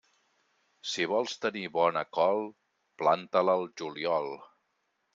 Si vols tenir bona col, planta-la al juliol.